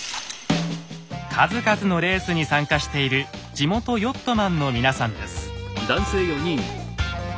数々のレースに参加している地元ヨットマンの皆さんです。